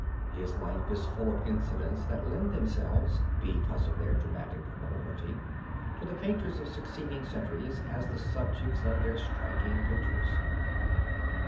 His life is full of incidents that lent themselves, because of their dramatic quality, to the painters of succeeding centuries as the subjects of their striking pictures.